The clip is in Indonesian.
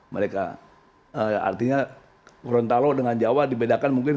mereka artinya gorontalo dengan jawa dibedakan mungkin